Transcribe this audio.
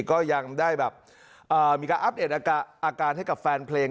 ก็ยังได้แบบมีการอัปเดตอาการให้กับแฟนเพลง